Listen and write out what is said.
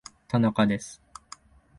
田中です